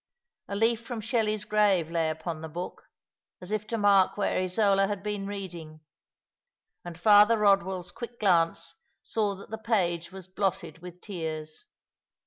A leaf from Shelley's grave lay upon the book, as if to mark where Isola had been reading, and Father Eod well's quick glance saw that the page was blotted with tears.